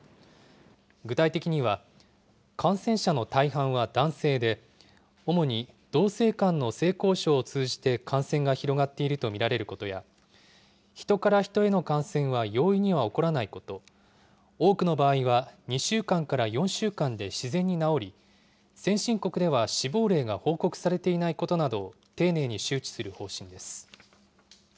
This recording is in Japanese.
具体的には、感染者の大半は男性で、主に同性間の性交渉を通じて感染が広がっていると見られることや、人から人への感染は容易には起こらないこと、多くの場合は２週間から４週間で自然に治り、先進国では死亡例が報告されていないことなどを、丁寧に周知する方針です。